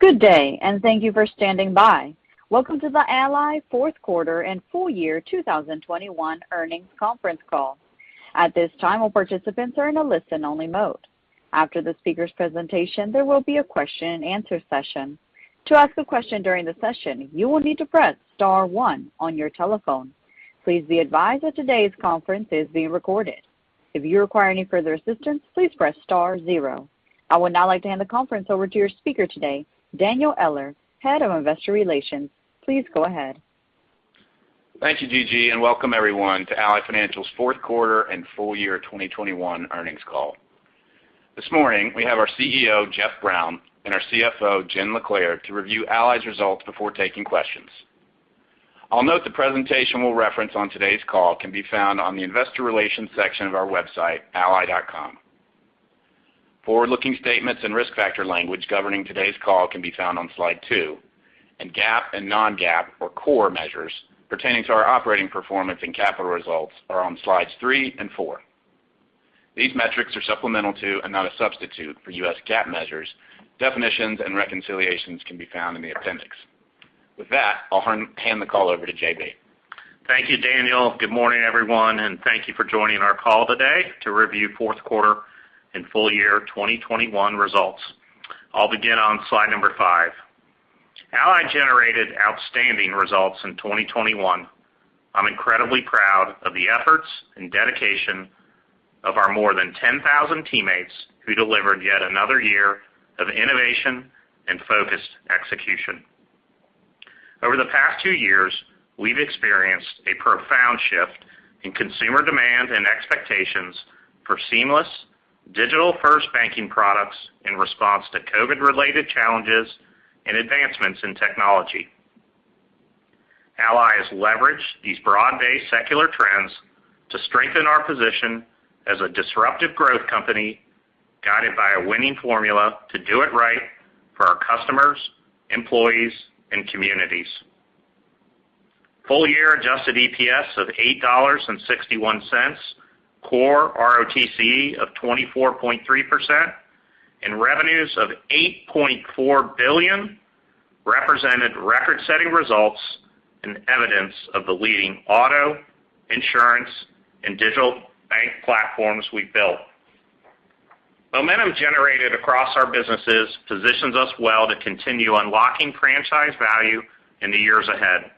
Good day, and thank you for standing by. Welcome to the Ally fourth quarter and full year 2021 earnings conference call. At this time, all participants are in a listen only mode. After the speaker's presentation, there will be a question and answer session. To ask a question during the session, you will need to press star one on your telephone. Please be advised that today's conference is being recorded. If you require any further assistance, please press star zero. I would now like to hand the conference over to your speaker today, Daniel Eller, Head of Investor Relations. Please go ahead. Thank you, Gigi, and welcome everyone to Ally Financial's fourth quarter and full year 2021 earnings call. This morning, we have our CEO, Jeff Brown, and our CFO, Jenn LaClair, to review Ally's results before taking questions. I'll note the presentation we'll reference on today's call can be found on the investor relations section of our website, ally.com. Forward-looking statements and risk factor language governing today's call can be found on slide 2. GAAP and non-GAAP or core measures pertaining to our operating performance and capital results are on slides three and four. These metrics are supplemental to and not a substitute for U.S. GAAP measures. Definitions and reconciliations can be found in the appendix. With that, I'll hand the call over to JB. Thank you, Daniel. Good morning, everyone, and thank you for joining our call today to review fourth quarter, and full year 2021 results. I'll begin on slide number five. Ally generated outstanding results in 2021. I'm incredibly proud of the efforts and dedication of our more than 10,000 teammates who delivered yet another year of innovation and focused execution. Over the past two years, we've experienced a profound shift in consumer demand and expectations for seamless digital-first banking products in response to COVID-related challenges and advancements in technology. Ally has leveraged these broad-based secular trends to strengthen our position as a disruptive growth company guided by a winning formula to do it right for our customers, employees, and communities. Full year adjusted EPS of $8.61, core ROTCE of 24.3%, and revenues of $8.4 billion represented record-setting results and evidence of the leading auto, insurance, and digital bank platforms we built. Momentum generated across our businesses positions us well to continue unlocking franchise value in the years ahead.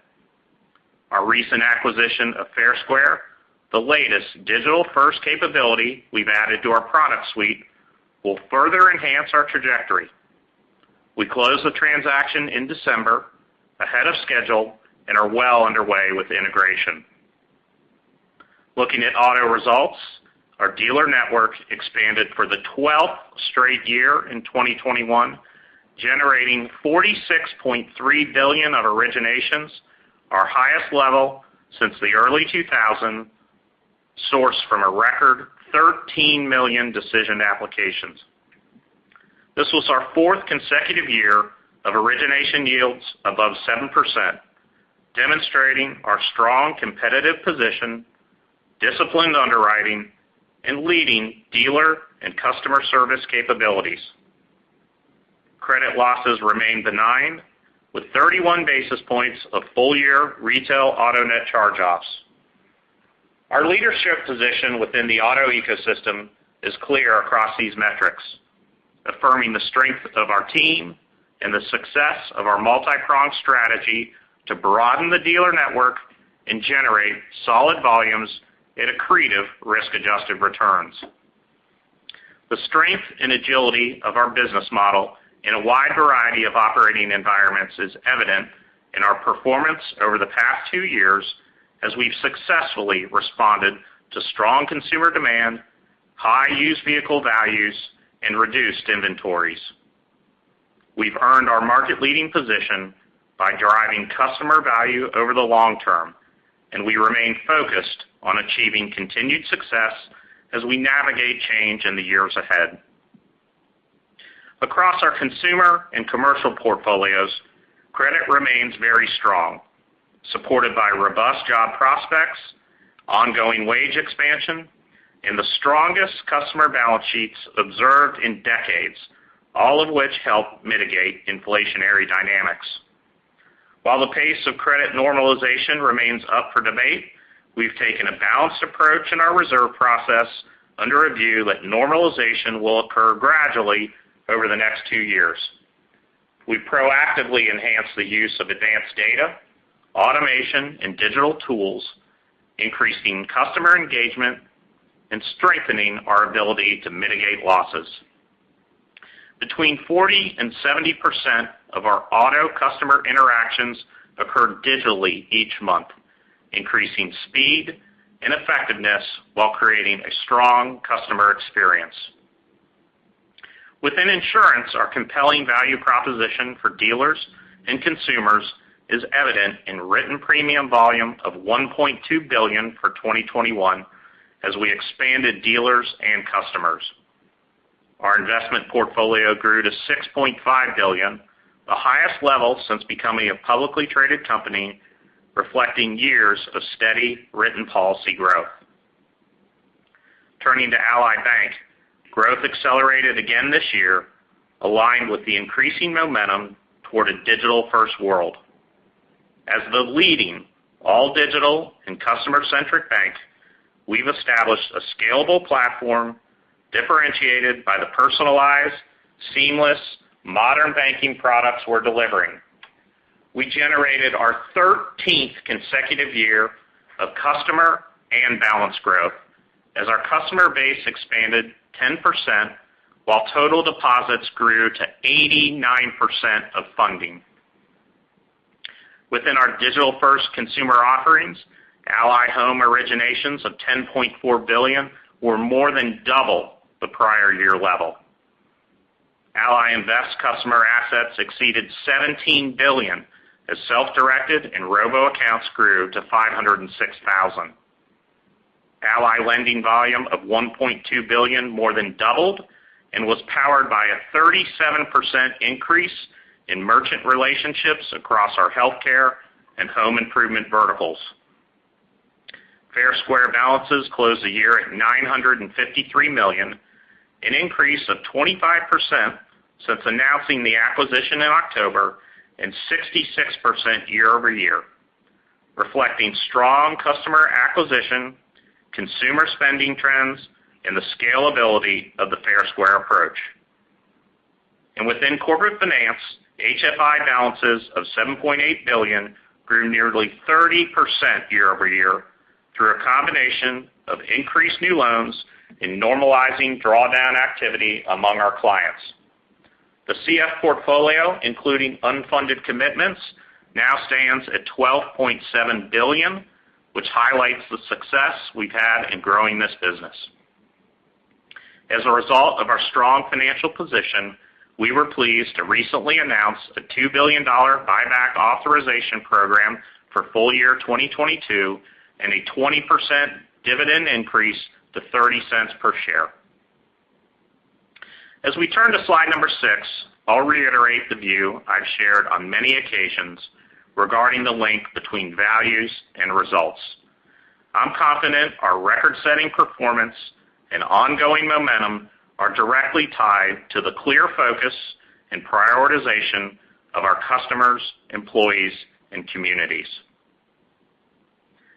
Our recent acquisition of Fair Square, the latest digital-first capability we've added to our product suite, will further enhance our trajectory. We closed the transaction in December ahead of schedule and are well underway with integration. Looking at auto results, our dealer network expanded for the 12th straight year in 2021, generating $46.3 billion of originations, our highest level since the early 2000s, sourced from a record 13 million decision applications. This was our fourth consecutive year of origination yields above 7%, demonstrating our strong competitive position, disciplined underwriting, and leading dealer and customer service capabilities. Credit losses remained benign with 31 basis points of full-year retail auto net charge-offs. Our leadership position within the auto ecosystem is clear across these metrics, affirming the strength of our team and the success of our multi-pronged strategy to broaden the dealer network and generate solid volumes at accretive risk-adjusted returns. The strength and agility of our business model in a wide variety of operating environments is evident in our performance over the past two years as we've successfully responded to strong consumer demand, high used vehicle values, and reduced inventories. We've earned our market-leading position by driving customer value over the long term, and we remain focused on achieving continued success as we navigate change in the years ahead. Across our consumer and commercial portfolios, credit remains very strong, supported by robust job prospects, ongoing wage expansion, and the strongest customer balance sheets observed in decades, all of which help mitigate inflationary dynamics. While the pace of credit normalization remains up for debate, we've taken a balanced approach in our reserve process under a view that normalization will occur gradually over the next two years. We proactively enhance the use of advanced data, automation, and digital tools, increasing customer engagement and strengthening our ability to mitigate losses. Between 40% and 70% of our auto customer interactions occur digitally each month, increasing speed and effectiveness while creating a strong customer experience. Within insurance, our compelling value proposition for dealers, and consumers is evident in written premium volume of $1.2 billion for 2021 as we expanded dealers and customers. Our investment portfolio grew to $6.5 billion, the highest level since becoming a publicly traded company, reflecting years of steady reinvestment growth. Turning to Ally Bank. Growth accelerated again this year, aligned with the increasing momentum toward a digital-first world. As the leading all digital and customer-centric bank, we've established a scalable platform differentiated by the personalized, seamless, modern banking products we're delivering. We generated our thirteenth consecutive year of customer and balance growth as our customer base expanded 10%, while total deposits grew to 89% of funding. Within our digital-first consumer offerings, Ally Home originations of $10.4 billion were more than double the prior year level. Ally Invest customer assets exceeded $17 billion as self-directed, and robo accounts grew to 506,000. Ally Lending volume of $1.2 billion more than doubled and was powered by a 37% increase in merchant relationships across our healthcare and home improvement verticals. Fair Square balances closed the year at $953 million, an increase of 25% since announcing the acquisition in October and 66% year-over-year, reflecting strong customer acquisition, consumer spending trends and the scalability of the Fair Square approach. Within Corporate Finance, HFI balances of $7.8 billion grew nearly 30% year-over-year through a combination of increased new loans and normalizing drawdown activity among our clients. The CF portfolio, including unfunded commitments, now stands at $12.7 billion, which highlights the success we've had in growing this business. As a result of our strong financial position, we were pleased to recently announce a $2 billion buyback authorization program for full year 2022 and a 20% dividend increase to $0.30 per share. As we turn to slide number six, I'll reiterate the view I've shared on many occasions regarding the link between values and results. I'm confident our record-setting performance and ongoing momentum are directly tied to the clear focus and prioritization of our customers, employees, and communities.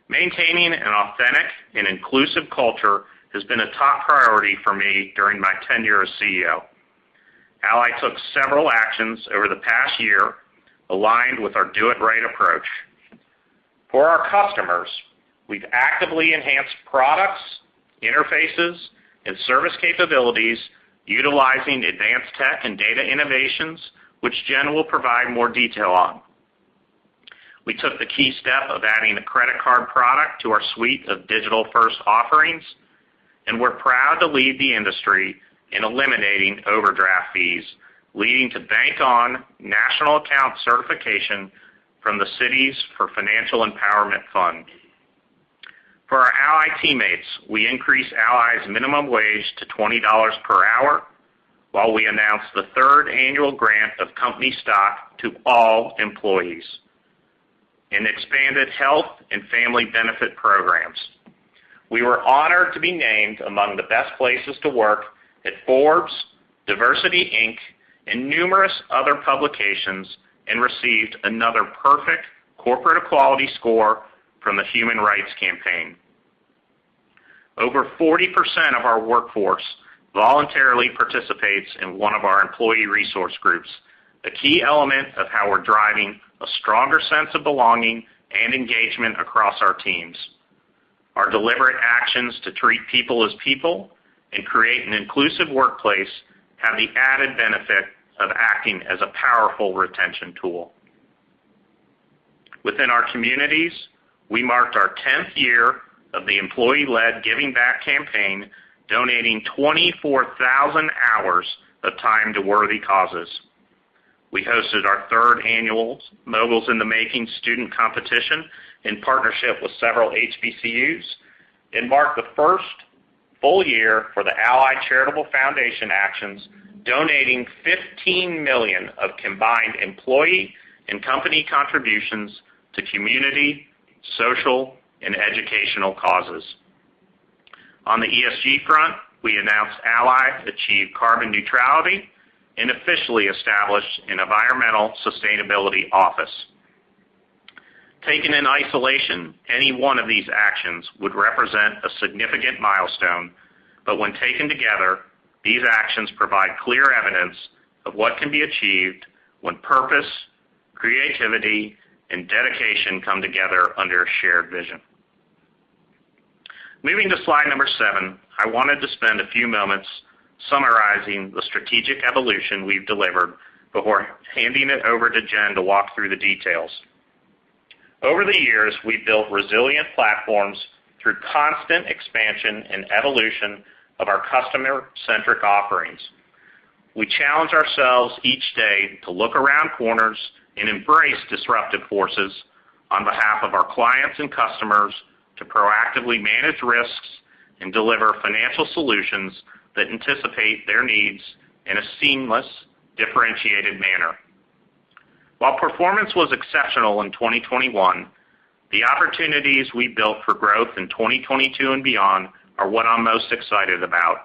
Maintaining an authentic and inclusive culture has been a top priority for me during my tenure as CEO. Ally took several actions over the past year aligned with our Do It Right approach. For our customers, we've actively enhanced products, interfaces and service capabilities utilizing advanced tech and data innovations, which Jen will provide more detail on. We took the key step of adding a credit card product to our suite of digital-first offerings, and we're proud to lead the industry in eliminating overdraft fees, leading to Bank On National Account certification from the Cities for Financial Empowerment Fund. For our Ally teammates, we increased Ally's minimum wage to $20 per hour while we announced the third annual grant of company stock to all employees and expanded health and family benefit programs. We were honored to be named among the best places to work at Forbes, DiversityInc and numerous other publications, and received another perfect corporate equality score from the Human Rights Campaign. Over 40% of our workforce voluntarily participates in one of our employee resource groups, a key element of how we're driving a stronger sense of belonging and engagement across our teams. Our deliberate actions to treat people as people and create an inclusive workplace have the added benefit of acting as a powerful retention tool. Within our communities, we marked our 10th year of the employee-led Giving Back campaign, donating 24,000 hours of time to worthy causes. We hosted our 3rd annual Moguls in the Making student competition in partnership with several HBCUs and marked the 1st full year for the Ally Charitable Foundation actions, donating $15 million of combined employee and company contributions to community, social, and educational causes. On the ESG front, we announced Ally achieved carbon neutrality and officially established an environmental sustainability office. Taken in isolation, any one of these actions would represent a significant milestone. When taken together, these actions provide clear evidence of what can be achieved when purpose, creativity, and dedication come together under a shared vision. Moving to slide seven. I wanted to spend a few moments summarizing the strategic evolution we've delivered before handing it over to Jen to walk through the details. Over the years, we've built resilient platforms through constant expansion and evolution of our customer-centric offerings. We challenge ourselves each day to look around corners and embrace disruptive forces on behalf of our clients and customers to proactively manage risks and deliver financial solutions that anticipate their needs in a seamless, differentiated manner. While performance was exceptional in 2021, the opportunities we built for growth in 2022 and beyond are what I'm most excited about,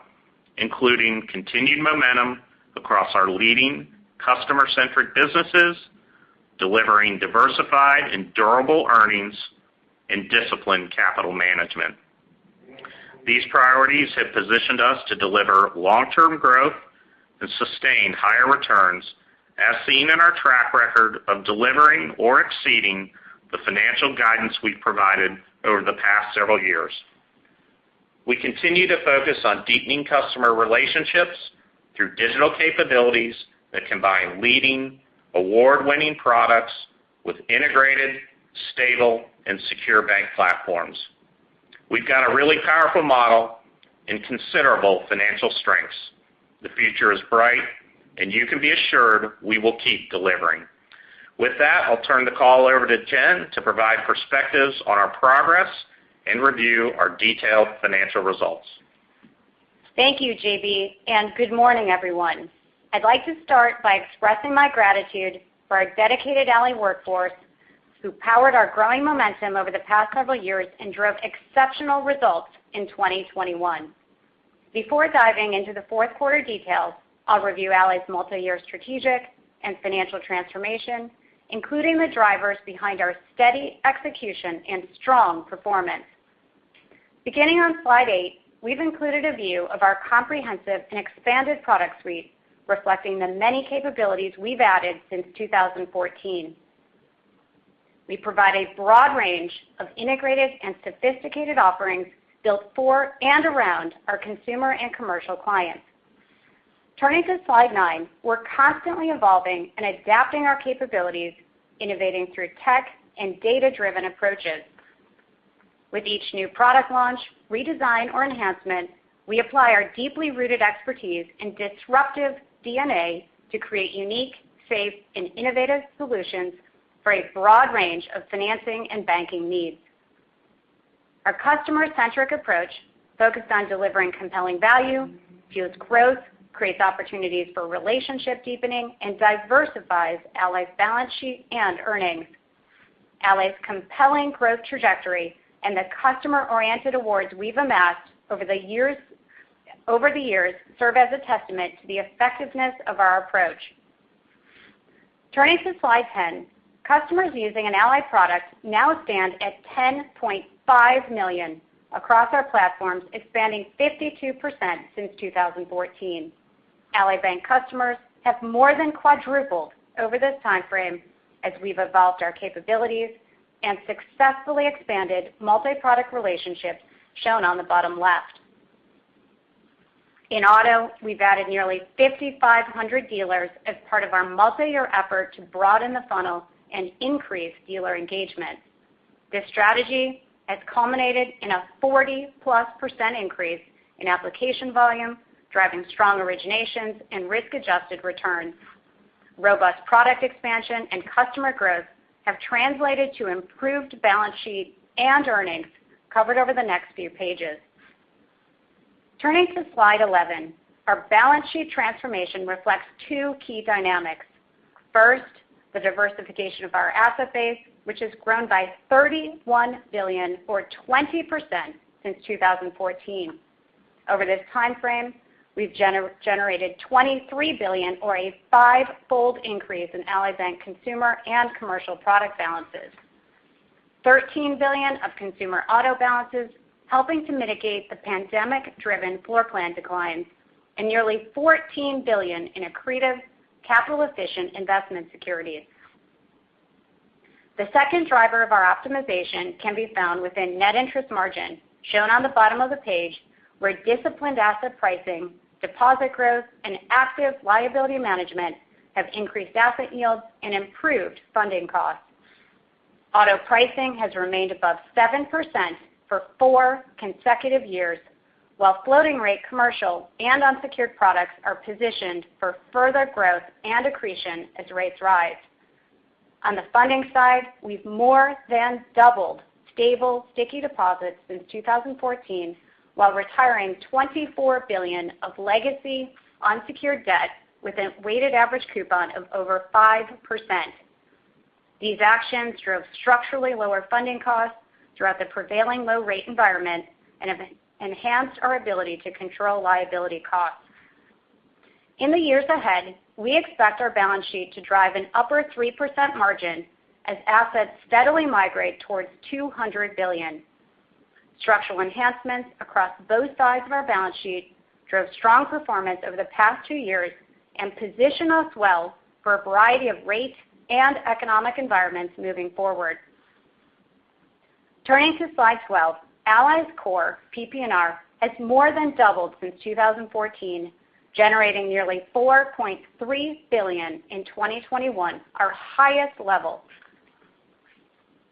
including continued momentum across our leading customer-centric businesses, delivering diversified and durable earnings and disciplined capital management. These priorities have positioned us to deliver long-term growth and sustain higher returns, as seen in our track record of delivering or exceeding the financial guidance we've provided over the past several years. We continue to focus on deepening customer relationships through digital capabilities that combine leading award-winning products with integrated, stable, and secure bank platforms. We've got a really powerful model and considerable financial strengths. The future is bright, and you can be assured we will keep delivering. With that, I'll turn the call over to Jen to provide perspectives on our progress and review our detailed financial results. Thank you, JB, and good morning, everyone. I'd like to start by expressing my gratitude for our dedicated Ally workforce who powered our growing momentum over the past several years and drove exceptional results in 2021. Before diving into the fourth quarter details, I'll review Ally's multi-year strategic and financial transformation, including the drivers behind our steady execution and strong performance. Beginning on slide eight, we've included a view of our comprehensive and expanded product suite, reflecting the many capabilities we've added since 2014. We provide a broad range of integrated and sophisticated offerings built for, and around our consumer and commercial clients. Turning to slide nine, we're constantly evolving and adapting our capabilities, innovating through tech and data-driven approaches. With each new product launch, redesign, or enhancement, we apply our deeply rooted expertise and disruptive DNA to create unique, safe, and innovative solutions for a broad range of financing and banking needs. Our customer-centric approach focused on delivering compelling value, fuels growth, creates opportunities for relationship deepening, and diversifies Ally's balance sheet and earnings. Ally's compelling growth trajectory and the customer-oriented awards we've amassed over the years serve as a testament to the effectiveness of our approach. Turning to slide 10, customers using an Ally product now stand at 10.5 million across our platforms, expanding 52% since 2014. Ally Bank customers have more than quadrupled over this timeframe as we've evolved our capabilities and successfully expanded multi-product relationships shown on the bottom left. In auto, we've added nearly 5,500 dealers as part of our multi-year effort to broaden the funnel and increase dealer engagement. This strategy has culminated in a 40+% increase in application volume, driving strong originations and risk-adjusted returns. Robust product expansion and customer growth have translated to improved balance sheet and earnings covered over the next few pages. Turning to slide 11, our balance sheet transformation reflects two key dynamics. First, the diversification of our asset base, which has grown by $31 billion or 20% since 2014. Over this timeframe, we've generated $23 billion or a five-fold increase in Ally Bank consumer and commercial product balances. Thirteen billion of consumer auto balances, helping to mitigate the pandemic-driven floor plan declines, and nearly fourteen billion in accretive capital-efficient investment securities. The second driver of our optimization can be found within net interest margin shown on the bottom of the page, where disciplined asset pricing, deposit growth, and active liability management have increased asset yields and improved funding costs. Auto pricing has remained above 7% for 4 consecutive years, while floating rate commercial and unsecured products are positioned for further growth and accretion as rates rise. On the funding side, we've more than doubled stable, sticky deposits since 2014 while retiring $24 billion of legacy unsecured debt with a weighted average coupon of over 5%. These actions drove structurally lower funding costs throughout the prevailing low-rate environment and have enhanced our ability to control liability costs. In the years ahead, we expect our balance sheet to drive an upper 3% margin as assets steadily migrate towards $200 billion. Structural enhancements across both sides of our balance sheet drove strong performance over the past two years and position us well for a variety of rate and economic environments moving forward. Turning to Slide 12, Ally's core PPNR has more than doubled since 2014, generating nearly $4.3 billion in 2021, our highest level.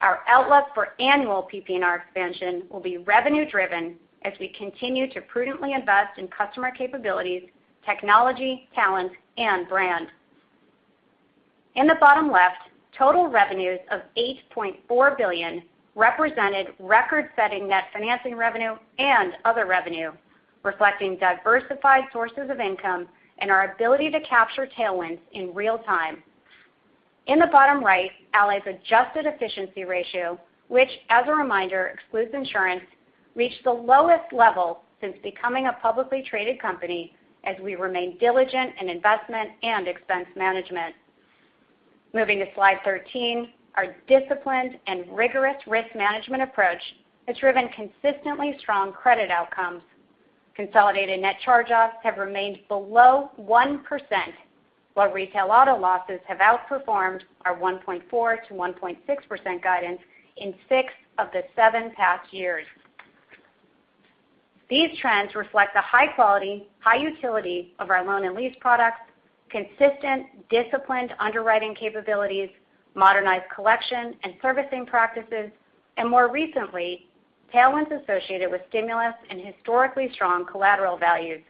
Our outlook for annual PPNR expansion will be revenue-driven as we continue to prudently invest in customer capabilities, technology, talent, and brand. In the bottom left, total revenues of $8.4 billion represented record-setting net financing revenue and other revenue, reflecting diversified sources of income, and our ability to capture tailwinds in real time. In the bottom right, Ally's adjusted efficiency ratio, which as a reminder excludes insurance, reached the lowest level since becoming a publicly traded company as we remain diligent in investment and expense management. Moving to Slide 13. Our disciplined and rigorous risk management approach has driven consistently strong credit outcomes. Consolidated Net Charge-Offs have remained below 1%, while retail auto losses have outperformed our 1.4%-1.6% guidance in six of the seven past years. These trends reflect the high quality, high utility of our loan and lease products, consistent, disciplined underwriting capabilities, modernized collection and servicing practices, and more recently, tailwinds associated with stimulus and historically strong collateral values.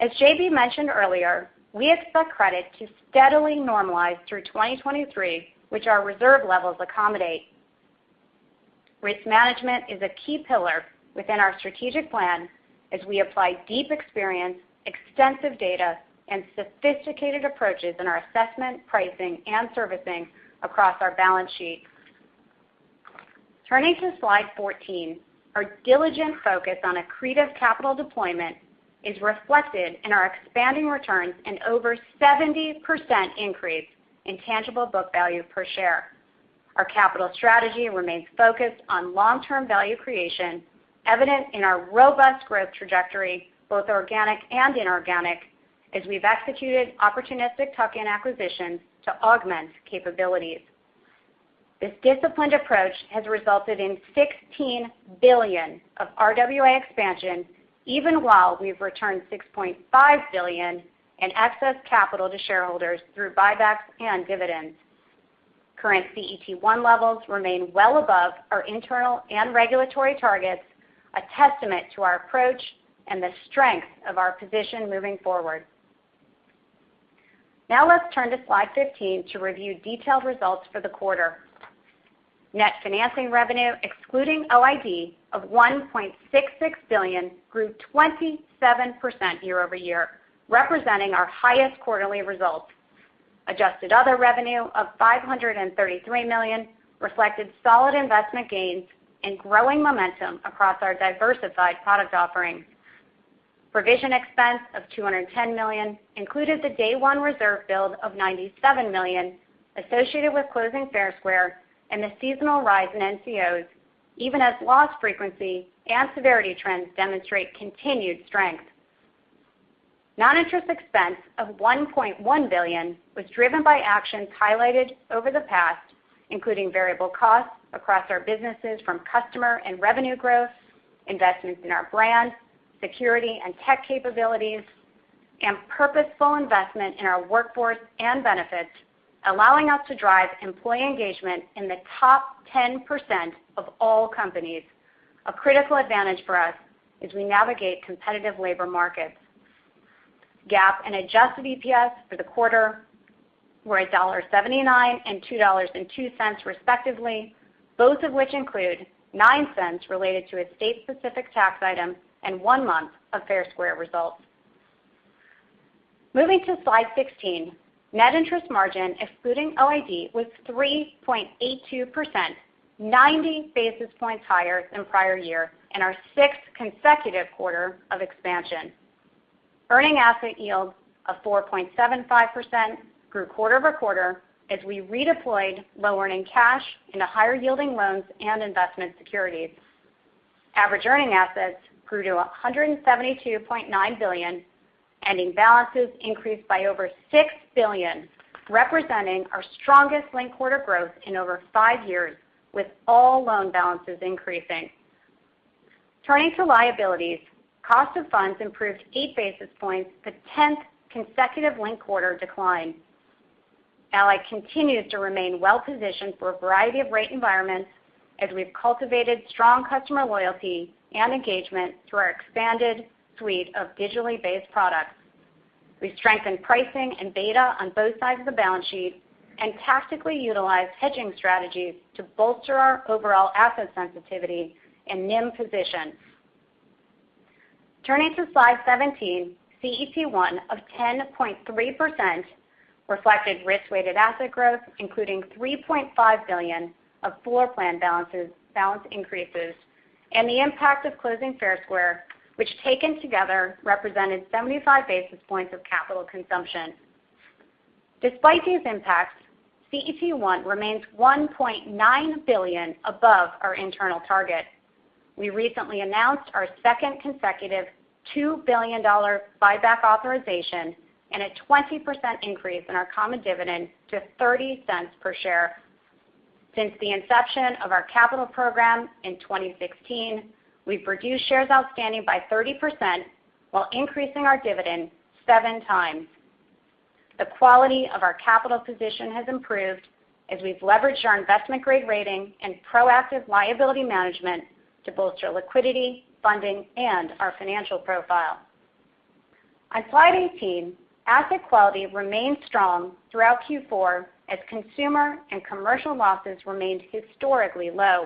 As JB mentioned earlier, we expect credit to steadily normalize through 2023, which our reserve levels accommodate. Risk management is a key pillar within our strategic plan as we apply deep experience, extensive data, and sophisticated approaches in our assessment, pricing, and servicing across our balance sheet. Turning to Slide 14. Our diligent focus on accretive capital deployment is reflected in our expanding returns and over 70% increase in tangible book value per share. Our capital strategy remains focused on long-term value creation, evident in our robust growth trajectory, both organic and inorganic, as we've executed opportunistic tuck-in acquisitions to augment capabilities. This disciplined approach has resulted in $16 billion of RWA expansion, even while we've returned $6.5 billion in excess capital to shareholders through buybacks and dividends. Current CET1 levels remain well above our internal and regulatory targets, a testament to our approach and the strength of our position moving forward. Now let's turn to Slide 15 to review detailed results for the quarter. Net financing revenue excluding OID of $1.66 billion grew 27% year-over-year, representing our highest quarterly result. Adjusted other revenue of $533 million reflected solid investment gains and growing momentum across our diversified product offerings. Provision expense of $210 million included the day one reserve build of $97 million associated with closing Fair Square and the seasonal rise in NCOs, even as loss frequency and severity trends demonstrate continued strength. Non-interest expense of $1.1 billion was driven by actions highlighted over the past, including variable costs across our businesses from customer and revenue growth, investments in our brand, security and tech capabilities, and purposeful investment in our workforce and benefits, allowing us to drive employee engagement in the top 10% of all companies, a critical advantage for us as we navigate competitive labor markets. GAAP and adjusted EPS for the quarter were $1.79 and $2.02 respectively, both of which include $0.09 related to a state-specific tax item and one month of Fair Square results. Moving to Slide 16. Net interest margin excluding OID was 3.82%, 90 basis points higher than prior year and our sixth consecutive quarter of expansion. Earning asset yields of 4.75% grew quarter-over-quarter as we redeployed low-earning cash into higher-yielding loans and investment securities. Average earning assets grew to $172.9 billion, ending balances increased by over $6 billion, representing our strongest linked-quarter growth in over five years, with all loan balances increasing. Turning to liabilities, cost of funds improved 8 basis points, the tenth consecutive linked-quarter decline. Ally continues to remain well-positioned for a variety of rate environments as we've cultivated strong customer loyalty and engagement through our expanded suite of digitally-based products. We've strengthened pricing and data on both sides of the balance sheet, and tactically utilized hedging strategies to bolster our overall asset sensitivity and NIM positions. Turning to Slide 17. CET1 of 10.3% reflected risk-weighted asset growth, including $3.5 billion of floor plan balance increases and the impact of closing Fair Square, which taken together represented 75 basis points of capital consumption. Despite these impacts, CET1 remains $1.9 billion above our internal target. We recently announced our second consecutive $2 billion buyback authorization and a 20% increase in our common dividend to $0.30 per share. Since the inception of our capital program in 2016, we've reduced shares outstanding by 30% while increasing our dividend 7x. The quality of our capital position has improved as we've leveraged our investment-grade rating and proactive liability management to bolster liquidity, funding, and our financial profile. On slide 18, asset quality remained strong throughout Q4 as consumer and commercial losses remained historically low.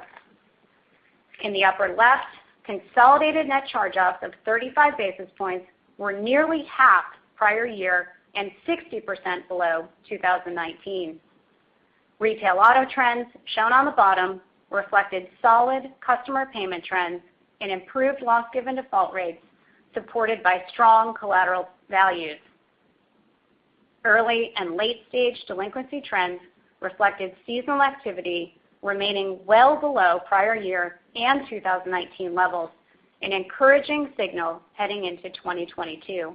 In the upper left, consolidated net charge-offs of 35 basis points were nearly half prior year and 60% below 2019. Retail auto trends, shown on the bottom, reflected solid customer payment trends and improved loss-given default rates supported by strong collateral values. Early and late-stage delinquency trends reflected seasonal activity remaining well below prior year and 2019 levels, an encouraging signal heading into 2022.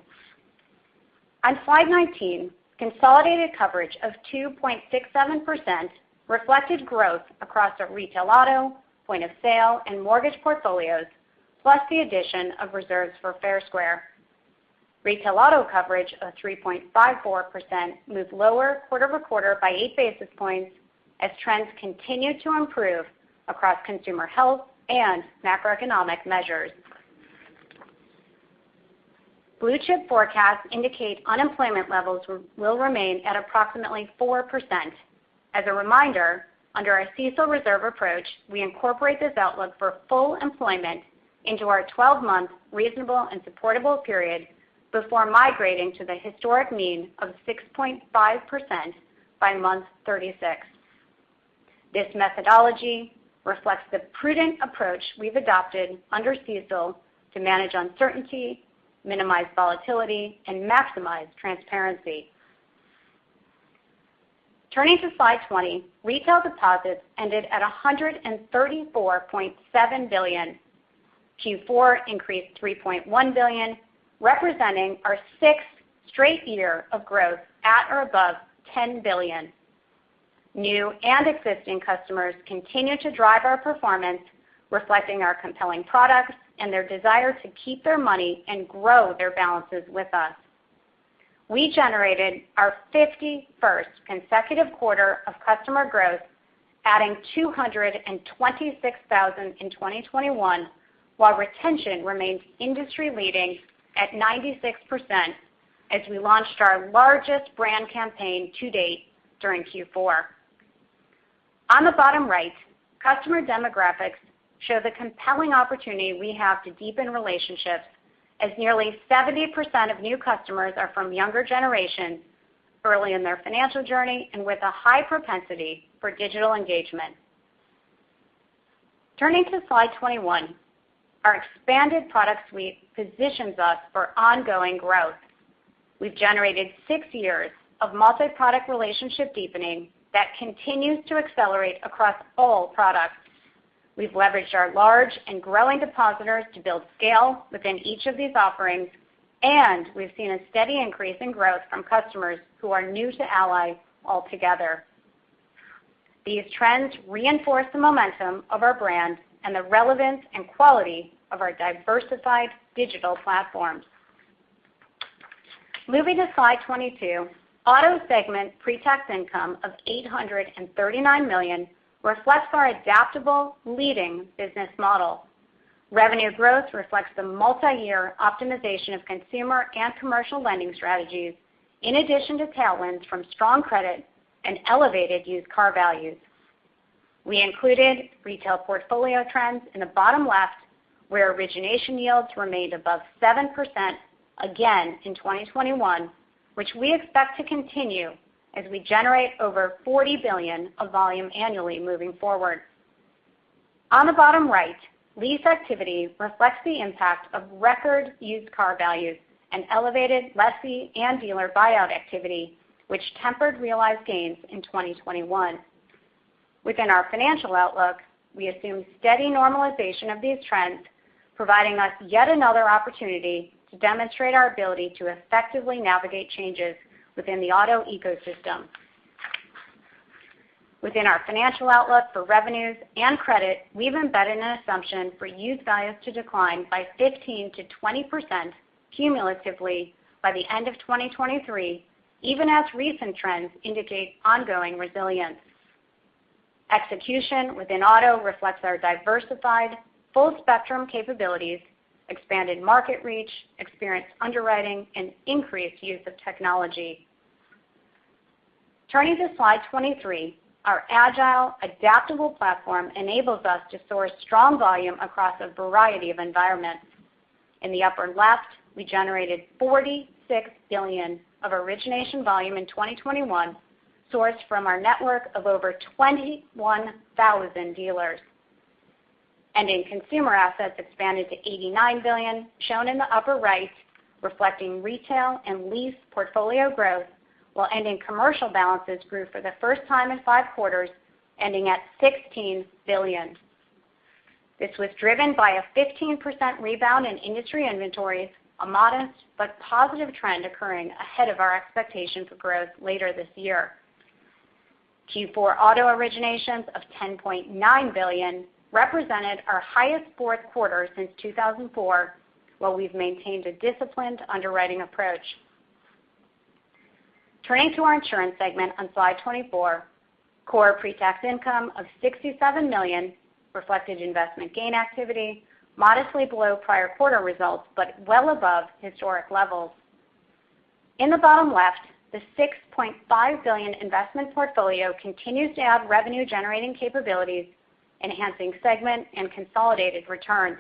On slide 19, consolidated coverage of 2.67% reflected growth across our retail auto, point-of-sale, and mortgage portfolios, plus the addition of reserves for Fair Square. Retail auto coverage of 3.54% moved lower quarter-over-quarter by 8 basis points as trends continued to improve across consumer health and macroeconomic measures. Blue Chip forecasts indicate unemployment levels will remain at approximately 4%. As a reminder, under our CECL reserve approach, we incorporate this outlook for full employment into our 12-month reasonable and supportable period before migrating to the historic mean of 6.5% by month 36. This methodology reflects the prudent approach we've adopted under CECL to manage uncertainty, minimize volatility, and maximize transparency. Turning to slide 20, retail deposits ended at $134.7 billion. Q4 increased $3.1 billion, representing our 6th straight year of growth at or above $10 billion. New and existing customers continue to drive our performance, reflecting our compelling products and their desire to keep their money and grow their balances with us. We generated our 51st consecutive quarter of customer growth, adding 226,000 in 2021, while retention remains industry-leading at 96% as we launched our largest brand campaign to date during Q4. On the bottom right, customer demographics show the compelling opportunity we have to deepen relationships as nearly 70% of new customers are from younger generations early in their financial journey, and with a high propensity for digital engagement. Turning to slide 21, our expanded product suite positions us for ongoing growth. We've generated six years of multi-product relationship deepening that continues to accelerate across all products. We've leveraged our large and growing depositors to build scale within each of these offerings, and we've seen a steady increase in growth from customers who are new to Ally altogether. These trends reinforce the momentum of our brand and the relevance and quality of our diversified digital platforms. Moving to slide 22, Auto segment pre-tax income of $839 million reflects our adaptable leading business model. Revenue growth reflects the multi-year optimization of consumer and commercial lending strategies, in addition to tailwinds from strong credit and elevated used car values. We included retail portfolio trends in the bottom left, where origination yields remained above 7% again in 2021, which we expect to continue as we generate over $40 billion of volume annually moving forward. On the bottom right, lease activity reflects the impact of record used car values and elevated lessee and dealer buyout activity, which tempered realized gains in 2021. Within our financial outlook, we assume steady normalization of these trends, providing us yet another opportunity to demonstrate our ability to effectively navigate changes within the auto ecosystem. Within our financial outlook for revenues and credit, we've embedded an assumption for used values to decline by 15%-20% cumulatively by the end of 2023, even as recent trends indicate ongoing resilience. Execution within auto reflects our diversified full spectrum capabilities, expanded market reach, experienced underwriting, and increased use of technology. Turning to slide 23, our agile, adaptable platform enables us to source strong volume across a variety of environments. In the upper left, we generated $46 billion of origination volume in 2021, sourced from our network of over 21,000 dealers. Ending consumer assets expanded to $89 billion, shown in the upper right, reflecting retail and lease portfolio growth, while ending commercial balances grew for the first time in five quarters, ending at $16 billion. This was driven by a 15% rebound in industry inventories, a modest but positive trend occurring ahead of our expectation for growth later this year. Q4 auto originations of $10.9 billion represented our highest fourth quarter since 2004, while we've maintained a disciplined underwriting approach. Turning to our insurance segment on slide 24. Core pre-tax income of $67 million reflected investment gain activity modestly below prior quarter results, but well above historic levels. In the bottom left, the $6.5 billion investment portfolio continues to add revenue generating capabilities, enhancing segment and consolidated returns.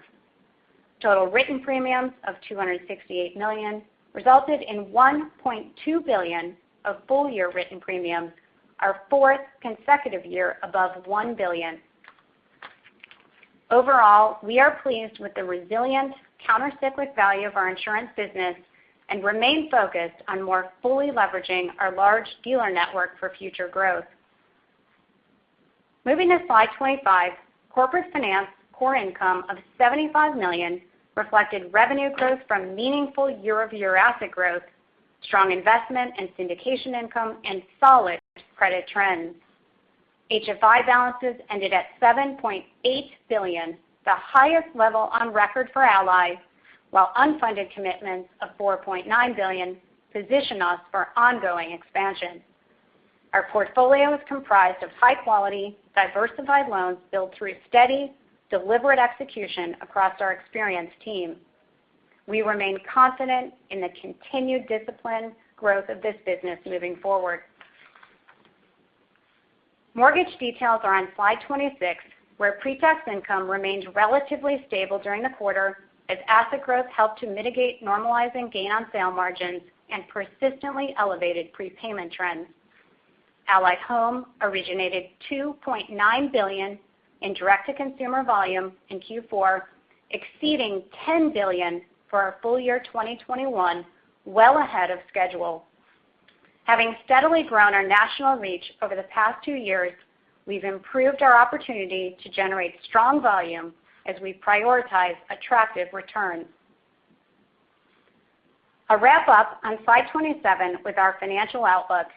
Total written premiums of $268 million resulted in $1.2 billion of full-year written premiums, our fourth consecutive year above $1 billion. Overall, we are pleased with the resilient counter-cyclic value of our insurance business and remain focused on more fully leveraging our large dealer network for future growth. Moving to slide 25. Corporate Finance core income of $75 million reflected revenue growth from meaningful year-over-year asset growth, strong investment and syndication income, and solid credit trends. HFI balances ended at $7.8 billion, the highest level on record for Ally, while unfunded commitments of $4.9 billion position us for ongoing expansion. Our portfolio is comprised of high quality, diversified loans built through steady, deliberate execution across our experienced team. We remain confident in the continued disciplined growth of this business moving forward. Mortgage details are on slide 26, where pre-tax income remained relatively stable during the quarter as asset growth helped to mitigate normalizing gain on sale margins and persistently elevated prepayment trends. Ally Home originated $2.9 billion in direct-to-consumer volume in Q4, exceeding $10 billion for our full year 2021, well ahead of schedule. Having steadily grown our national reach over the past two years, we've improved our opportunity to generate strong volume as we prioritize attractive returns. A wrap up on slide 27 with our financial outlook.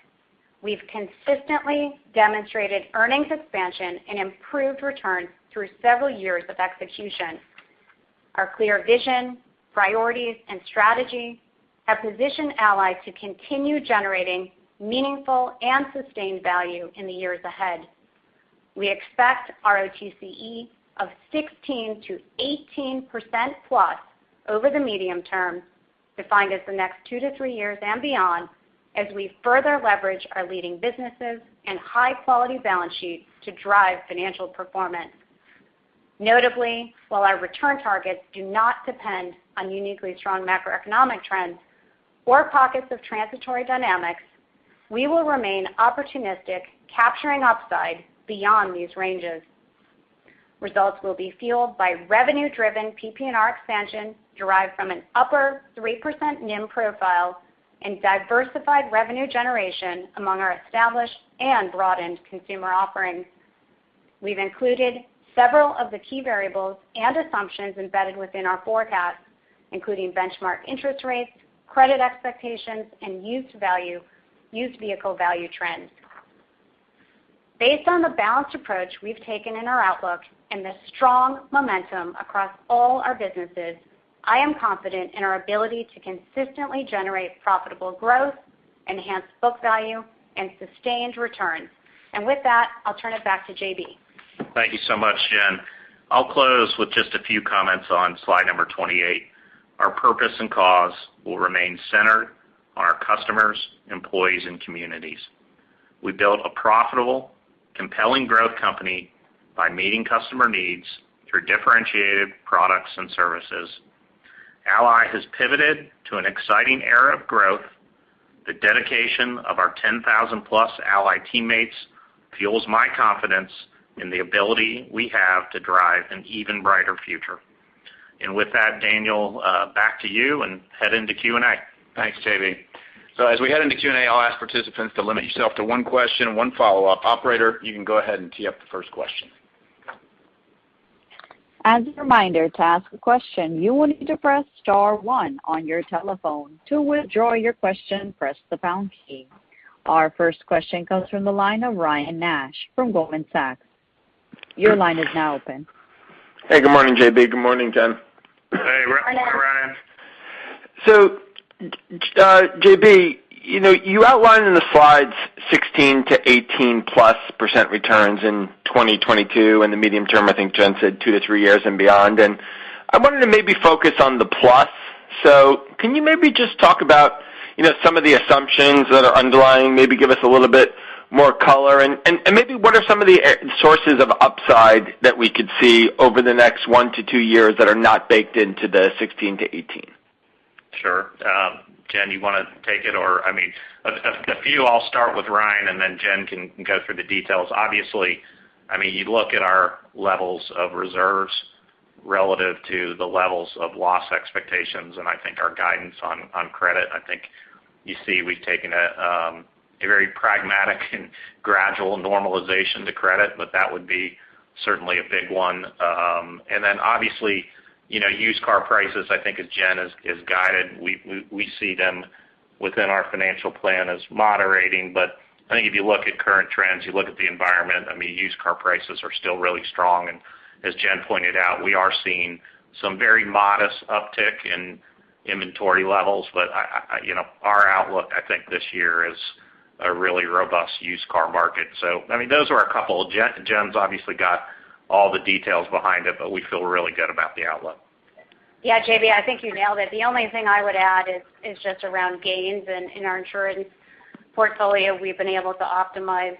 We've consistently demonstrated earnings expansion and improved returns through several years of execution. Our clear vision, priorities, and strategy have positioned Ally to continue generating meaningful and sustained value in the years ahead. We expect ROTCE of 16%-18%+ over the medium term, defined as the next two to three years and beyond, as we further leverage our leading businesses and high-quality balance sheets to drive financial performance. Notably, while our return targets do not depend on uniquely strong macroeconomic trends or pockets of transitory dynamics, we will remain opportunistic, capturing upside beyond these ranges. Results will be fueled by revenue-driven PPNR expansion derived from an upper 3% NIM profile and diversified revenue generation among our established and broadened consumer offerings. We've included several of the key variables and assumptions embedded within our forecast, including benchmark interest rates, credit expectations, and used vehicle value trends. Based on the balanced approach we've taken in our outlook and the strong momentum across all our businesses, I am confident in our ability to consistently generate profitable growth, enhance book value, and sustained returns. With that, I'll turn it back to J.B. Thank you so much, Jen. I'll close with just a few comments on slide number 28. Our purpose and cause will remain centered on our customers, employees, and communities. We build a profitable, compelling growth company by meeting customer needs through differentiated products and services. Ally has pivoted to an exciting era of growth. The dedication of our 10,000 plus Ally teammates fuels my confidence in the ability we have to drive an even brighter future. With that, Daniel, back to you and head into Q&A. Thanks, J.B. As we head into Q&A, I'll ask participants to limit yourself to one question and one follow-up. Operator, you can go ahead and tee up the first question. As a reminder, to ask a question, you will need to press star one on your telephone. To withdraw your question, press the pound key. Our first question comes from the line of Ryan Nash from Goldman Sachs. Your line is now open. Hey, good morning, J.B. Good morning, Jen. Hey, Ryan. Hi, Ryan. J.B., you know, you outlined in the slides 16%-18%+ returns in 2022. In the medium term, I think Jen said 2-3 years and beyond. I wanted to maybe focus on the plus. Can you maybe just talk about, you know, some of the assumptions that are underlying, maybe give us a little bit more color and maybe what are some of the sources of upside that we could see over the next one to two years that are not baked into the 16-18? Jen, you want to take it or, I mean, I'll start with Ryan, and then Jen can go through the details. Obviously, I mean, you look at our levels of reserves relative to the levels of loss expectations, and I think our guidance on credit. I think you see we've taken a very pragmatic and gradual normalization to credit, but that would certainly be a big one. And then obviously, you know, used car prices, I think as Jen has guided, we see them within our financial plan as moderating. I think if you look at current trends, you look at the environment, I mean, used car prices are still really strong. As Jen pointed out, we are seeing some very modest uptick in inventory levels. I, you know, our outlook. I think this year is a really robust used car market. I mean, those are a couple. Jen's obviously got all the details behind it, but we feel really good about the outlook. Yeah, J.B., I think you nailed it. The only thing I would add is just around gains. In our insurance portfolio, we've been able to optimize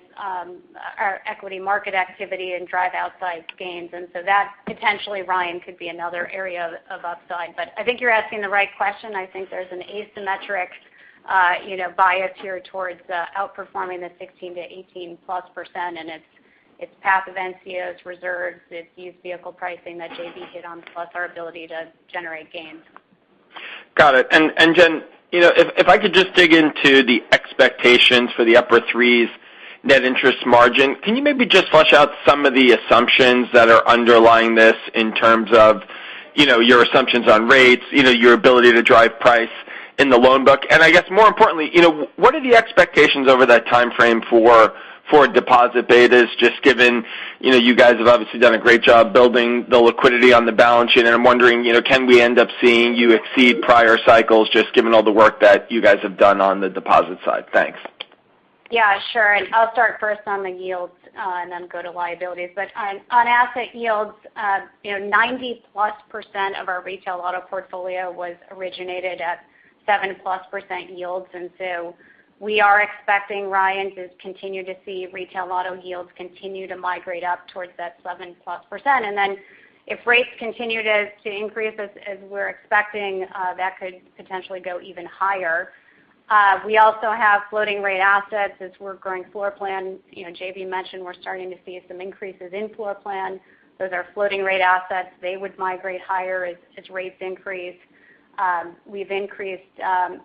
our equity market activity and drive upside gains. That potentially, Ryan, could be another area of upside. I think you're asking the right question. I think there's an asymmetric you know bias here towards outperforming the 16%-18%+, and it's path of NCOs, reserves, it's used vehicle pricing that J.B. hit on, plus our ability to generate gains. Got it. Jen, you know, if I could just dig into the expectations for the upper threes net interest margin, can you maybe just flesh out some of the assumptions that are underlying this in terms of, you know, your assumptions on rates, you know, your ability to drive price in the loan book? I guess more importantly, you know, what are the expectations over that timeframe for deposit betas just given, you know, you guys have obviously done a great job building the liquidity on the balance sheet, and I'm wondering, you know, can we end up seeing you exceed prior cycles just given all the work that you guys have done on the deposit side? Thanks. Yeah, sure, I'll start first on the yields and then go to liabilities. On asset yields, you know, 90%+ of our retail auto portfolio was originated at 7%+ yields. We are expecting, Ryan, to continue to see retail auto yields continue to migrate up towards that 7%+. If rates continue to increase as we're expecting, that could potentially go even higher. We also have floating rate assets as we're growing floor plan. You know, J.B. mentioned we're starting to see some increases in floor plan. Those are floating rate assets. They would migrate higher as rates increase. We've increased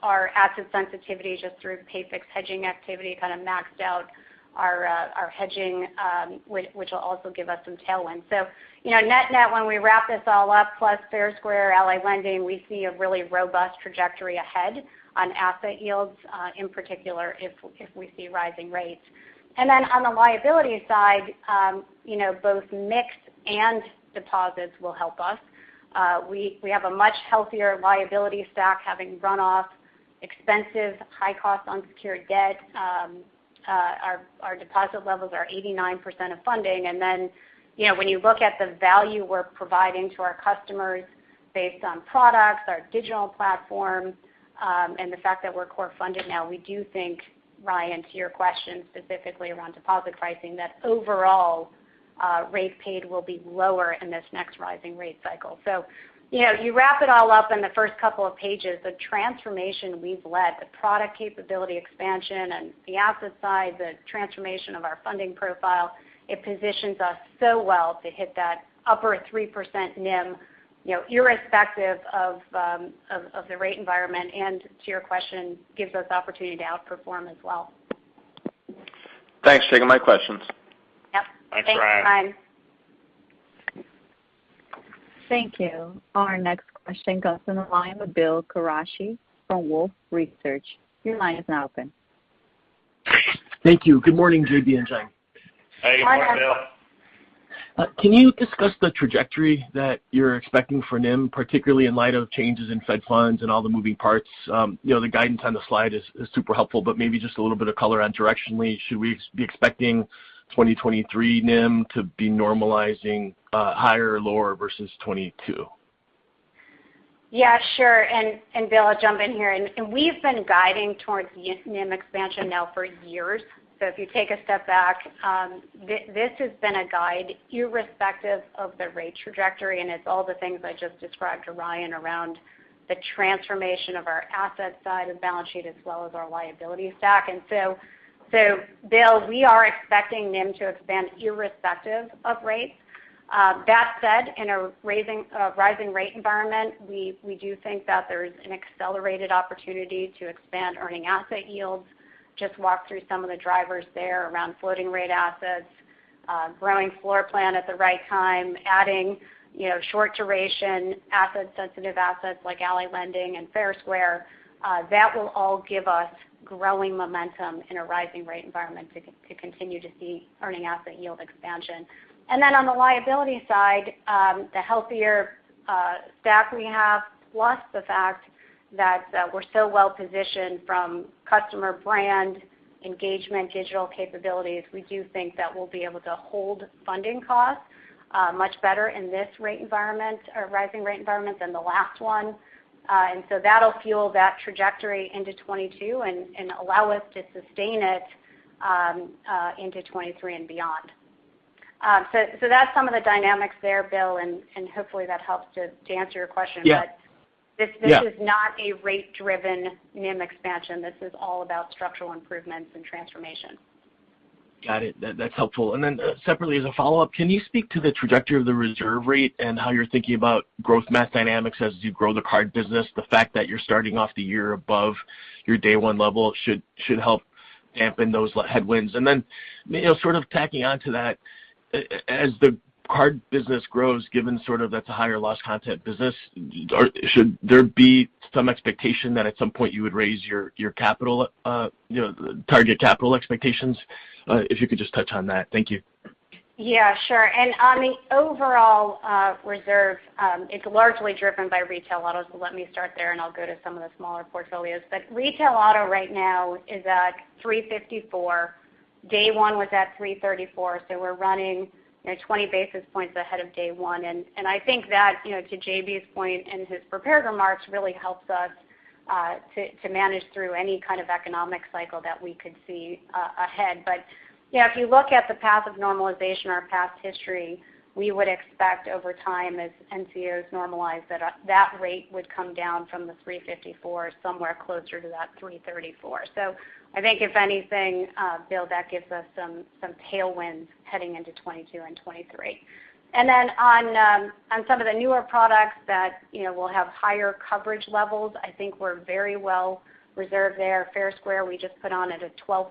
our asset sensitivity just through the pay-fixed hedging activity, kind of maxed out our hedging, which will also give us some tailwind. You know, net-net, when we wrap this all up, plus Fair Square, Ally Lending, we see a really robust trajectory ahead on asset yields, in particular if we see rising rates. On the liability side, both mix and deposits will help us. We have a much healthier liability stack having run off expensive high-cost unsecured debt. Our deposit levels are 89% of funding. When you look at the value we're providing to our customers based on products, our digital platform, and the fact that we're core funded now, we do think, Ryan, to your question specifically around deposit pricing, that overall, rates paid will be lower in this next rising rate cycle. You know, you wrap it all up in the first couple of pages, the transformation we've led, the product capability expansion and the asset side, the transformation of our funding profile. It positions us so well to hit that upper 3% NIM, you know, irrespective of the rate environment, and to your question, gives us opportunity to outperform as well. Thanks. Taking my questions. Yep. Thanks, Ryan. Thanks, Ryan. Thank you. Our next question goes to the line with Bill Carcache from Wolfe Research. Your line is now open. Thank you. Good morning, J.B. and Jen. Hi, Bill. Hey, Bill. Can you discuss the trajectory that you're expecting for NIM, particularly in light of changes in Fed funds and all the moving parts? You know, the guidance on the slide is super helpful, but maybe just a little bit of color on directionally, should we be expecting 2023 NIM to be normalizing, higher or lower versus 2022? Yeah, sure. Bill, I'll jump in here. We've been guiding towards NIM expansion now for years. If you take a step back, this has been a guide irrespective of the rate trajectory, and it's all the things I just described to Ryan around the transformation of our asset side and balance sheet as well as our liability stack. Bill, we are expecting NIM to expand irrespective of rates. That said, in a rising rate environment, we do think that there's an accelerated opportunity to expand earning asset yields. Just walk through some of the drivers there around floating rate assets, growing floor plan at the right time, adding, you know, short duration asset sensitive assets like Ally Lending and Fair Square, that will all give us growing momentum in a rising rate environment to continue to see earning asset yield expansion. Then on the liability side, the healthier stack we have, plus the fact that we're so well-positioned from customer brand engagement, digital capabilities, we do think that we'll be able to hold funding costs much better in this rate environment or rising rate environment than the last one. That'll fuel that trajectory into 2022 and allow us to sustain it into 2023 and beyond. That's some of the dynamics there, Bill, and hopefully that helps to answer your question. Yeah. But this- Yeah. This is not a rate-driven NIM expansion. This is all about structural improvements and transformation. Got it. That's helpful. Separately as a follow-up, can you speak to the trajectory of the reserve rate and how you're thinking about growth math dynamics as you grow the card business? The fact that you're starting off the year above your day one level should help dampen those headwinds. You know, sort of tacking onto that, as the card business grows, given sort of that's a higher loss content business, should there be some expectation that at some point you would raise your capital, you know, target capital expectations? If you could just touch on that. Thank you. Yeah, sure. On the overall reserve, it's largely driven by Retail Auto, so let me start there, and I'll go to some of the smaller portfolios. Retail Auto right now is at 354. Day one was at 334, so we're running, you know, 20 basis points ahead of day one. I think that, you know, to JB's point in his prepared remarks, really helps us to manage through any kind of economic cycle that we could see ahead. You know, if you look at the path of normalization or past history, we would expect over time as NCOs normalize that rate would come down from the 354 somewhere closer to that 334. I think if anything, Bill, that gives us some tailwinds heading into 2022 and 2023. on some of the newer products that, you know, will have higher coverage levels, I think we're very well reserved there. Fair Square, we just put on at a 12%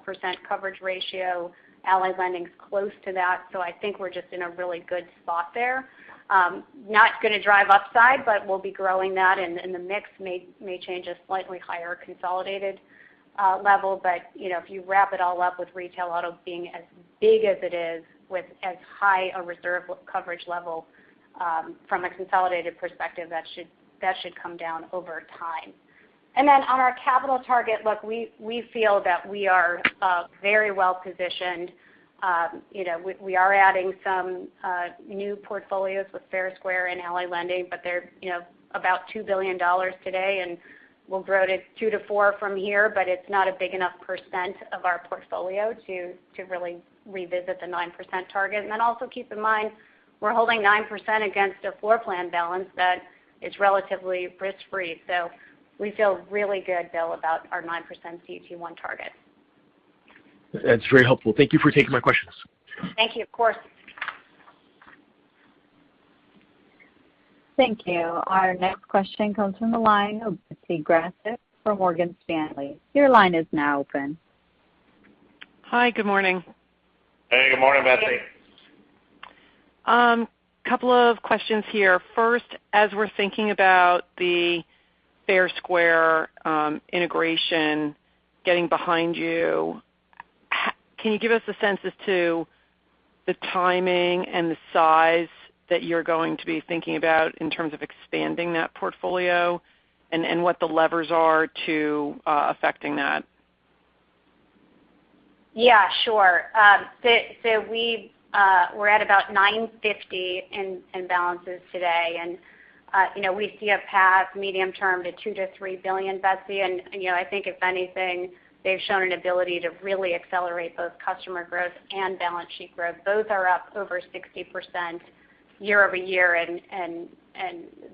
coverage ratio. Ally Lending's close to that. I think we're just in a really good spot there, not gonna drive upside, but we'll be growing that and the mix may change a slightly higher consolidated level. you know, if you wrap it all up with Retail Auto being as big as it is with as high a reserve coverage level, from a consolidated perspective, that should come down over time. on our capital target, look, we feel that we are very well positioned. You know, we are adding some new portfolios with Fair Square and Ally Lending, but they're, you know, about $2 billion today, and we'll grow to $2-$4 billion from here, but it's not a big enough percent of our portfolio to really revisit the 9% target. Then also keep in mind, we're holding 9% against a floor plan balance that is relatively risk-free. We feel really good, Bill, about our 9% CET1 target. That's very helpful. Thank you for taking my questions. Thank you. Of course. Thank you. Our next question comes from the line of Betsy Graseck from Morgan Stanley. Your line is now open. Hi, good morning. Hey, good morning, Betsy. Couple of questions here. First, as we're thinking about the Fair Square integration getting behind you, can you give us a sense as to the timing and the size that you're going to be thinking about in terms of expanding that portfolio and what the levers are to affecting that? Yeah, sure. So we're at about $950 million in balances today. You know, we see a path medium-term to $2 billion-$3 billion, Betsy. You know, I think if anything, they've shown an ability to really accelerate both customer growth and balance sheet growth. Both are up over 60% year-over-year, and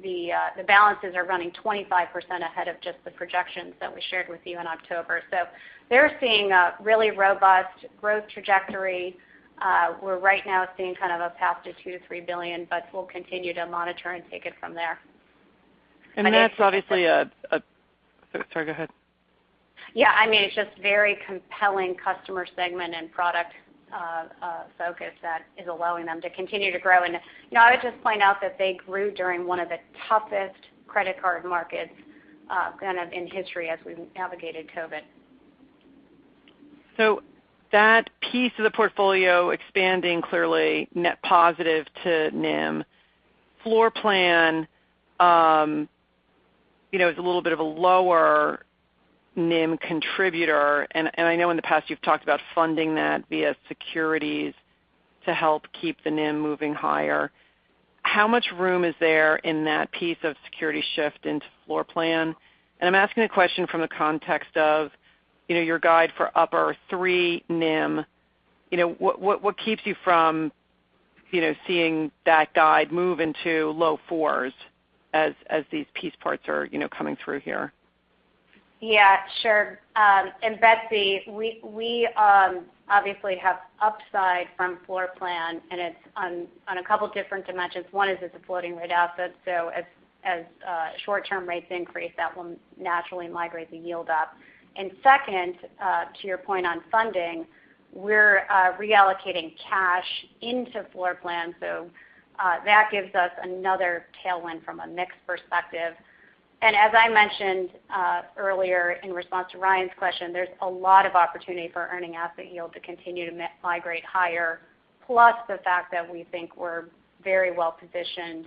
the balances are running 25% ahead of just the projections that we shared with you in October. They're seeing a really robust growth trajectory. We're right now seeing kind of a path to $2 billion-$3 billion, but we'll continue to monitor and take it from there. That's obviously. Sorry, go ahead. I mean, it's just very compelling customer segment and product focus that is allowing them to continue to grow. You know, I would just point out that they grew during one of the toughest credit card markets, kind of in history as we navigated COVID. That piece of the portfolio expanding clearly net positive to NIM. Floor plan, you know, is a little bit of a lower NIM contributor. I know in the past you've talked about funding that via securities to help keep the NIM moving higher. How much room is there in that piece of securities shift into floor plan? I'm asking the question from the context of, you know, your guide for upper three NIM. You know, what keeps you from, you know, seeing that guide move into low fours as these piece parts are, you know, coming through here? Yeah, sure. Betsy, we obviously have upside from floor plan, and it's on a couple different dimensions. One is it's a floating rate asset, so as short-term rates increase, that will naturally migrate the yield up. Second, to your point on funding, we're reallocating cash into floor plan. That gives us another tailwind from a mix perspective. As I mentioned earlier in response to Ryan's question, there's a lot of opportunity for earning asset yield to continue to migrate higher. Plus the fact that we think we're very well positioned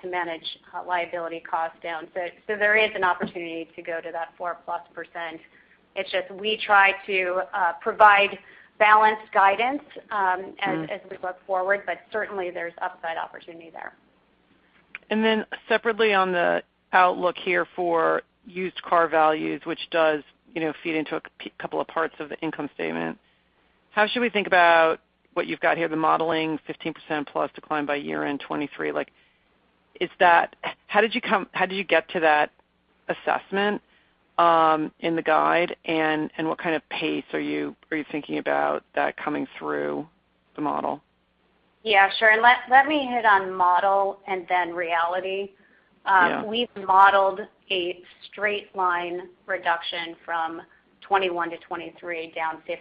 to manage liability costs down. There is an opportunity to go to that 4%+. It's just we try to provide balanced guidance as we look forward, but certainly there's upside opportunity there. Separately on the outlook here for used car values, which does, you know, feed into a couple of parts of the income statement. How should we think about what you've got here, the modeling 15%+ decline by year-end 2023? Like, how did you get to that assessment in the guide? What kind of pace are you thinking about that coming through the model? Yeah, sure. Let me hit on model and then reality. We've modeled a straight line reduction from 2021 to 2023, down 15%-20%.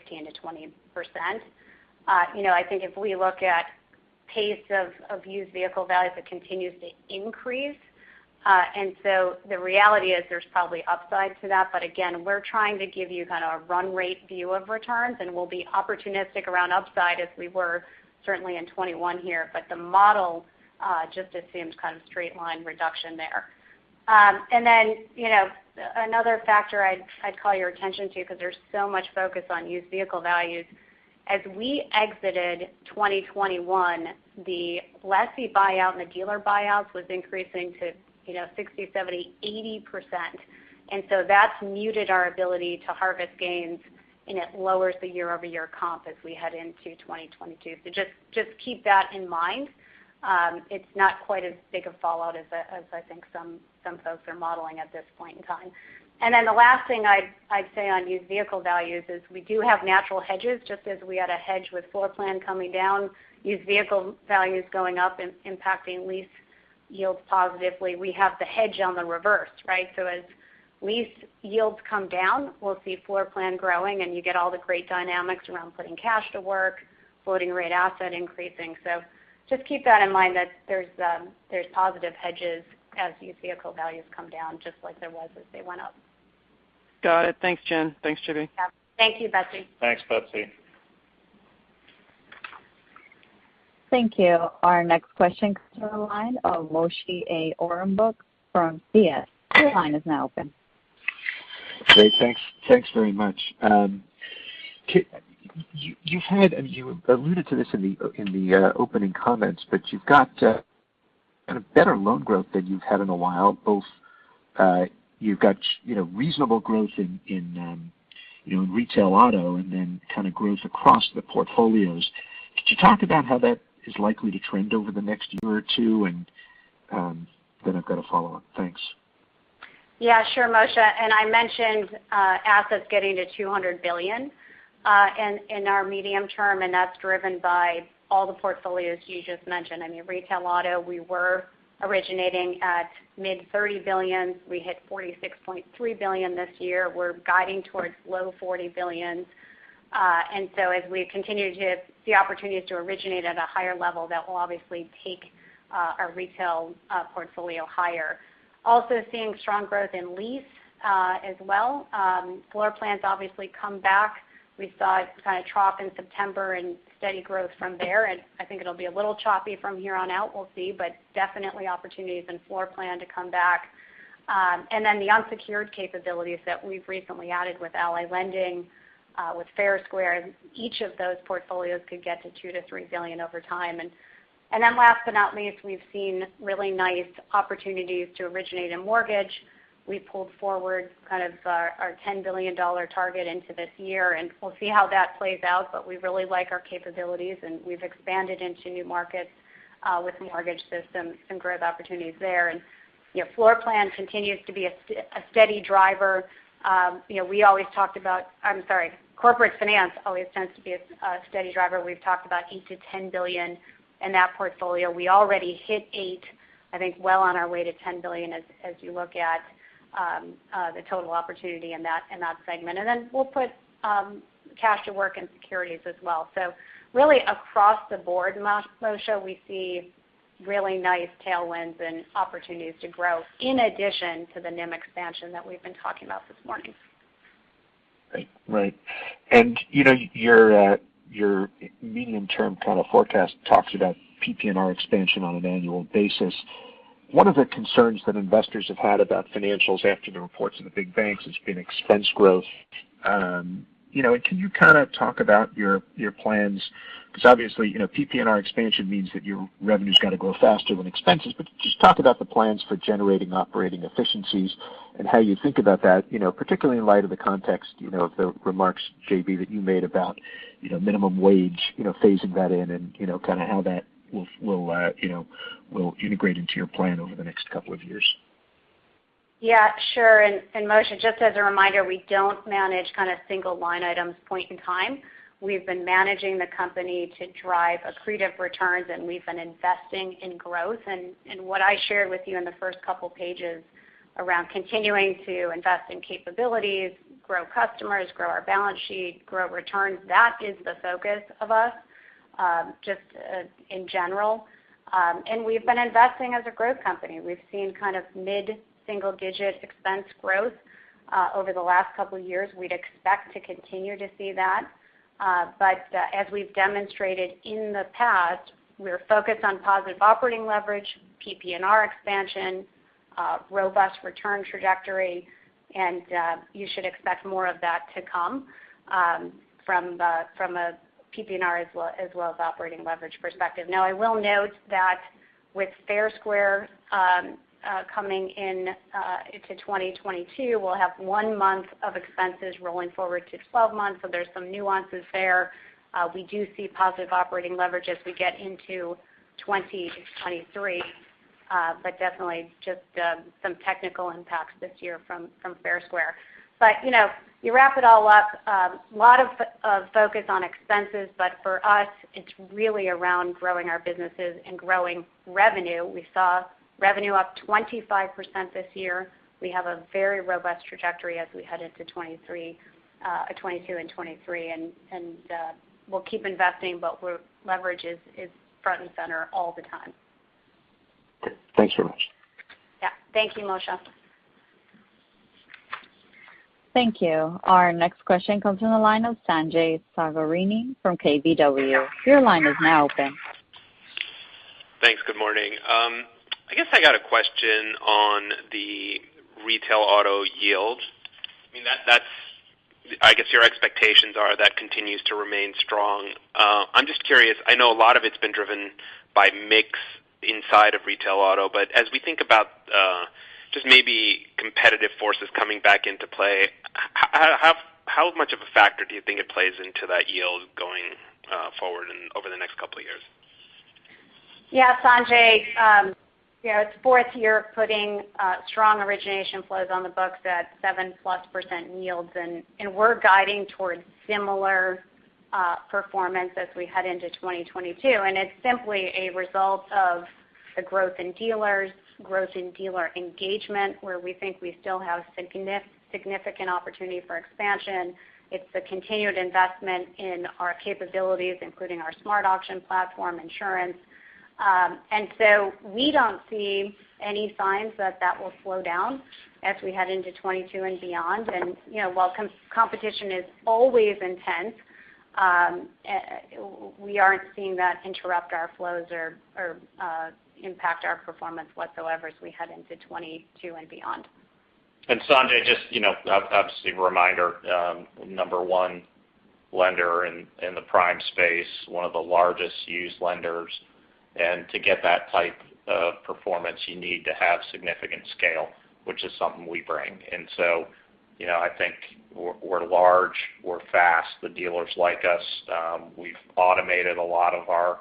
You know, I think if we look at the pace of used vehicle values that continues to increase. The reality is there's probably upside to that. Again, we're trying to give you kind of a run rate view of returns, and we'll be opportunistic around upside as we were certainly in 2021 here. The model just assumes kind of straight line reduction there. You know, another factor I'd call your attention to because there's so much focus on used vehicle values. As we exited 2021, the lessee buyout and the dealer buyouts was increasing to, you know, 60%, 70%, 80%. That's muted our ability to harvest gains, and it lowers the year-over-year comp as we head into 2022. Just keep that in mind. It's not quite as big a fallout as I think some folks are modeling at this point in time. Then the last thing I'd say on used vehicle values is we do have natural hedges just as we had a hedge with floor plan coming down, used vehicle values going up and impacting lease yields positively. We have the hedge on the reverse, right? As lease yields come down, we'll see floor plan growing, and you get all the great dynamics around putting cash to work, floating rate asset increasing. Just keep that in mind that there's positive hedges as used vehicle values come down just like there was as they went up. Got it. Thanks, Jen. Thanks, J.B. Yeah. Thank you, Betsy. Thanks, Betsy. Thank you. Our next question comes from the line of Moshe A. Orenbuch from CS. Your line is now open. Great. Thanks. Thanks very much. You had, and you alluded to this in the opening comments, but you've got kind of better loan growth than you've had in a while, both you've got you know reasonable growth in you know in retail auto and then kind of growth across the portfolios. Could you talk about how that is likely to trend over the next year or two? Then I've got a follow-up. Thanks. Yeah, sure, Moshe. I mentioned assets getting to $200 billion in our medium term, and that's driven by all the portfolios you just mentioned. I mean, retail auto we were originating at mid $30 billion. We hit $46.3 billion this year. We're guiding towards low $40 billion. As we continue to see opportunities to originate at a higher level, that will obviously take our retail portfolio higher. Also seeing strong growth in lease as well. Floor plans obviously come back. We saw it kind of drop in September and steady growth from there. I think it'll be a little choppy from here on out. We'll see. Definitely opportunities in floor plan to come back. The unsecured capabilities that we've recently added with Ally Lending, with Fair Square, and each of those portfolios could get to $2 billion-$3 billion over time. Last but not least, we've seen really nice opportunities to originate in mortgage. We pulled forward kind of our $10 billion target into this year, and we'll see how that plays out, but we really like our capabilities, and we've expanded into new markets, with mortgage systems and growth opportunities there. You know, floor plan continues to be a steady driver. Corporate Finance always tends to be a steady driver. We've talked about $8 billion-$10 billion in that portfolio. We already hit $8 billion, I think well on our way to $10 billion as you look at the total opportunity in that segment. We'll put cash to work in securities as well. Really across the board, Moshe, we see really nice tailwinds and opportunities to grow in addition to the NIM expansion that we've been talking about this morning. Great. Right. You know, your your medium term kind of forecast talks about PPNR expansion on an annual basis. One of the concerns that investors have had about financials after the reports of the big banks has been expense growth. You know, can you kind of talk about your your plans? Because obviously, you know, PPNR expansion means that your revenue's got to grow faster than expenses. But just talk about the plans for generating operating efficiencies and how you think about that, you know, particularly in light of the context, you know, of the remarks, J.B., that you made about, you know, minimum wage, you know, phasing that in and, you know, kind of how that will integrate into your plan over the next couple of years. Yeah, sure. Moshe, just as a reminder, we don't manage kind of single line items point in time. We've been managing the company to drive accretive returns, and we've been investing in growth. What I shared with you in the first couple pages around continuing to invest in capabilities, grow customers, grow our balance sheet, grow returns, that is the focus of us, in general. We've been investing as a growth company. We've seen kind of mid-single digit expense growth over the last couple years. We'd expect to continue to see that. As we've demonstrated in the past, we're focused on positive operating leverage, PPNR expansion, robust return trajectory, and you should expect more of that to come from a PPNR as well as operating leverage perspective. Now, I will note that with Fair Square coming in into 2022, we'll have one month of expenses rolling forward to 12 months. There's some nuances there. We do see positive operating leverage as we get into 2023. Definitely just some technical impacts this year from Fair Square. You know, you wrap it all up, a lot of focus on expenses. For us, it's really around growing our businesses and growing revenue. We saw revenue up 25% this year. We have a very robust trajectory as we head into 2023, 2022 and 2023. We'll keep investing, but leverage is front and center all the time. Thanks so much. Yeah. Thank you, Moshe. Thank you. Our next question comes from the line of Sanjay Sakhrani from KBW. Your line is now open. Thanks. Good morning. I guess I got a question on the retail auto yield. I mean, that's, I guess your expectations are that continues to remain strong. I'm just curious. I know a lot of it's been driven by mix inside of retail auto, but as we think about just maybe competitive forces coming back into play, how much of a factor do you think it plays into that yield going forward over the next couple of years? Yeah, Sanjay, you know, it's the fourth year of putting strong origination flows on the books at 7%+ yields, and we're guiding towards similar performance as we head into 2022. It's simply a result of the growth in dealers, growth in dealer engagement, where we think we still have significant opportunity for expansion. It's the continued investment in our capabilities, including our SmartAuction platform insurance. We don't see any signs that that will slow down as we head into 2022 and beyond. You know, while competition is always intense, we aren't seeing that interrupt our flows or impact our performance whatsoever as we head into 2022 and beyond. Sanjay, just, you know, obviously a reminder, number one lender in the prime space, one of the largest used lenders. To get that type of performance, you need to have significant scale, which is something we bring. You know, I think we're large, we're fast, the dealers like us. We've automated a lot of our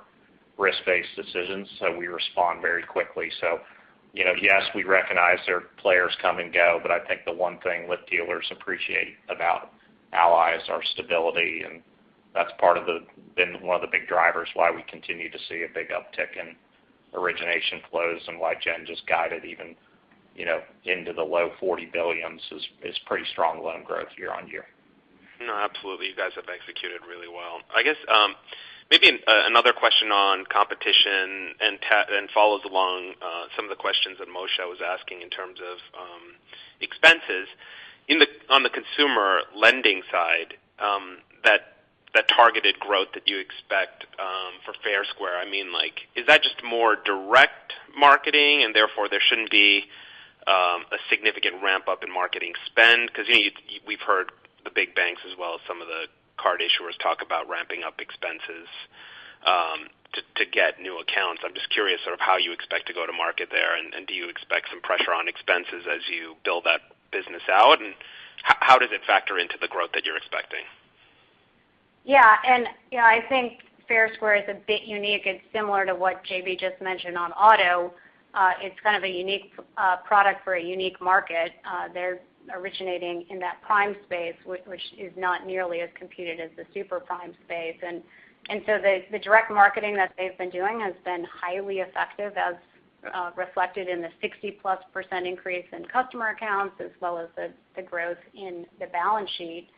risk-based decisions, so we respond very quickly. You know, yes, we recognize other players come and go, but I think the one thing what dealers appreciate about Ally is our stability, and that's been one of the big drivers why we continue to see a big uptick in origination flows and why Jen just guided even, you know, into the low $40 billion is pretty strong loan growth year-over-year. No, absolutely. You guys have executed really well. I guess maybe another question on competition and that follows along some of the questions that Moshe was asking in terms of expenses. On the consumer lending side, that targeted growth that you expect for Fair Square, I mean, like, is that just more direct marketing, and therefore there shouldn't be a significant ramp-up in marketing spend? Because, you know, we've heard the big banks as well as some of the card issuers talk about ramping up expenses to get new accounts. I'm just curious sort of how you expect to go to market there, and do you expect some pressure on expenses as you build that business out? How does it factor into the growth that you're expecting? Yeah. You know, I think Fair Square is a bit unique. It's similar to what JB just mentioned on auto. It's kind of a unique product for a unique market. They're originating in that prime space, which is not nearly as competitive as the super prime space. So the direct marketing that they've been doing has been highly effective as reflected in the 60% increase in customer accounts as well as the growth in the balance sheet.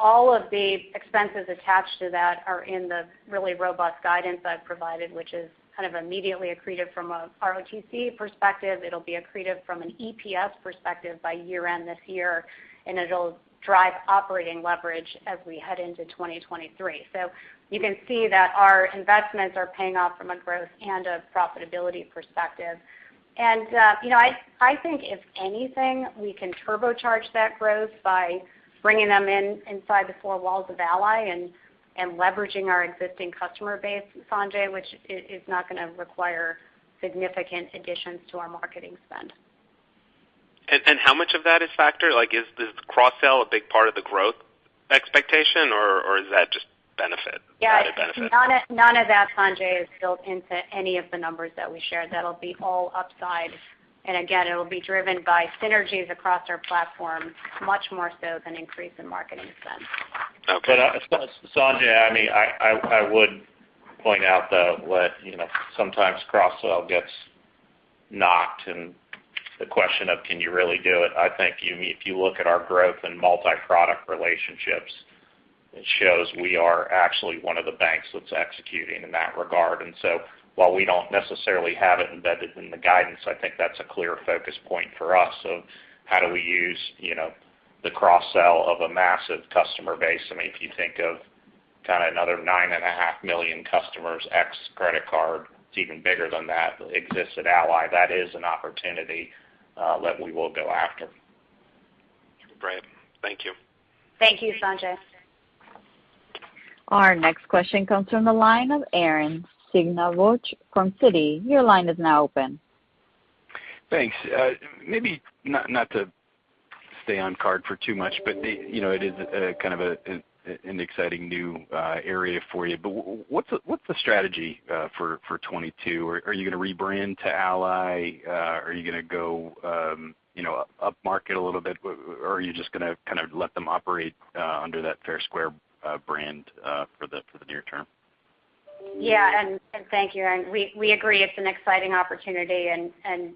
All of the expenses attached to that are in the really robust guidance I've provided, which is kind of immediately accretive from a ROTCE perspective. It'll be accretive from an EPS perspective by year-end this year, and it'll drive operating leverage as we head into 2023. You can see that our investments are paying off from a growth and a profitability perspective. You know, I think if anything, we can turbocharge that growth by bringing them in inside the four walls of Ally and leveraging our existing customer base, Sanjay, which is not gonna require significant additions to our marketing spend. How much of that is a factor? Like, is this cross-sell a big part of the growth expectation, or is that just a benefit? Yeah. The added benefit. None of that, Sanjay, is built into any of the numbers that we shared. That'll be all upside. Again, it'll be driven by synergies across our platform much more so than increase in marketing spend. Okay. Sanjay, I mean, I would point out, though, that you know, sometimes cross-sell gets knocked, and the question of can you really do it? I think if you look at our growth in multi-product relationships, it shows we are actually one of the banks that's executing in that regard. While we don't necessarily have it embedded in the guidance, I think that's a clear focus point for us of how do we use you know, the cross-sell of a massive customer base. I mean, if you think of kind of another 9.5 million customers plus credit card, it's even bigger than that exists at Ally. That is an opportunity that we will go after. Great. Thank you. Thank you, Sanjay. Our next question comes from the line of Arren Cyganovich from Citi. Your line is now open. Thanks. Maybe not to stay on card for too much, but you know, it is kind of an exciting new area for you. What's the strategy for 2022? Are you gonna rebrand to Ally? Are you gonna go you know, upmarket a little bit? Or are you just gonna kind of let them operate under that Fair Square brand for the near term? Yeah. Thank you, Arren. We agree it's an exciting opportunity, and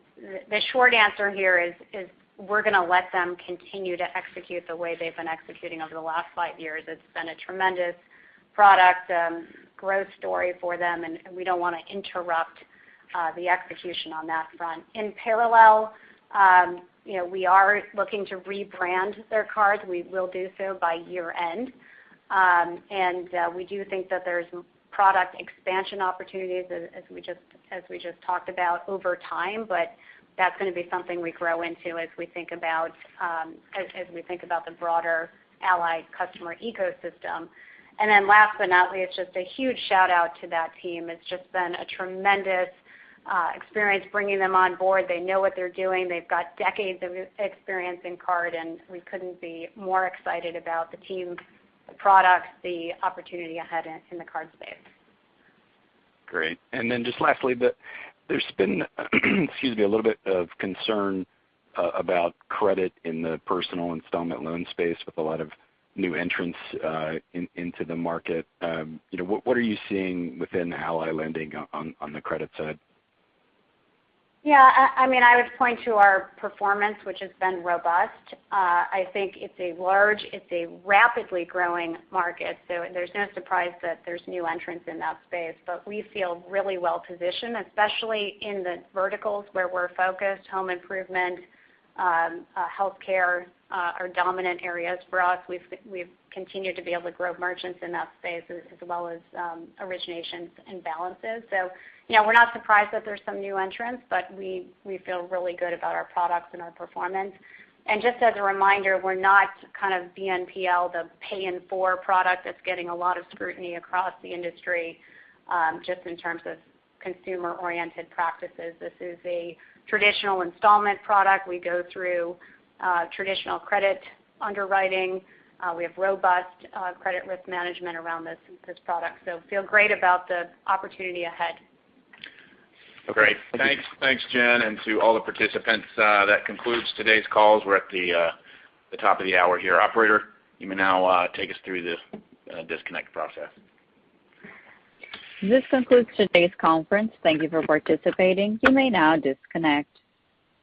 the short answer here is we're gonna let them continue to execute the way they've been executing over the last five years. It's been a tremendous product growth story for them, and we don't wanna interrupt the execution on that front. In parallel, you know, we are looking to rebrand their cards. We will do so by year-end. And we do think that there's product expansion opportunities as we just talked about over time, but that's gonna be something we grow into as we think about the broader Ally customer ecosystem. Then last but not least, just a huge shout-out to that team. It's just been a tremendous experience bringing them on board. They know what they're doing. They've got decades of experience in card, and we couldn't be more excited about the team, the products, the opportunity ahead in the card space. Great. Just lastly, there's been, excuse me, a little bit of concern about credit in the personal installment loan space with a lot of new entrants into the market. You know, what are you seeing within Ally Lending on the credit side? I mean, I would point to our performance, which has been robust. I think it's a rapidly growing market, so there's no surprise that there's new entrants in that space. We feel really well-positioned, especially in the verticals where we're focused. Home improvement, healthcare, are dominant areas for us. We've continued to be able to grow merchants in that space as well as originations and balances. You know, we're not surprised that there's some new entrants, but we feel really good about our products and our performance. Just as a reminder, we're not kind of BNPL, the pay-in-four product that's getting a lot of scrutiny across the industry, just in terms of consumer-oriented practices. This is a traditional installment product. We go through traditional credit underwriting. We have robust credit risk management around this product, so feel great about the opportunity ahead. Great. Thanks. Thanks, Jen, and to all the participants. That concludes today's calls. We're at the top of the hour here. Operator, you may now take us through the disconnect process. This concludes today's conference. Thank you for participating. You may now disconnect.